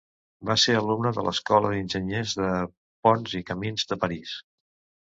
Va ser alumne de l'Escola d'Enginyers de Ponts i Camins de París.